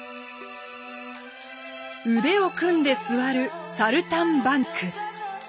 「腕を組んですわるサルタンバンク」。